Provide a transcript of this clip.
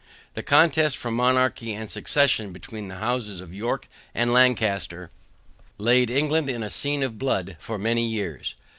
The contest for monarchy and succession, between the houses of York and Lancaster, laid England in a scene of blood for many years.